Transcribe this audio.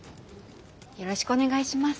よろしくお願いします。